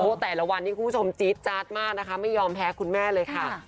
แต่ละวันนี้คุณผู้ชมจี๊ดจาดมากนะคะไม่ยอมแพ้คุณแม่เลยค่ะ